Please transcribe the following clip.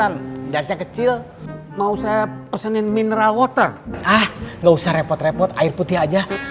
saya kecil mau saya pesanin mineral water ah nggak usah repot repot air putih aja